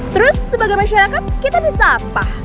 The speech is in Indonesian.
terus sebagai masyarakat kita bisa apa